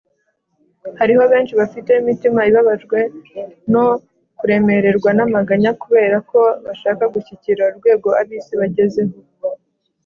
hariho benshi bafite imitima ibabajwe no kuremererwa n’amaganya kubera ko bashaka gushyikira urwego ab’isi bagezeho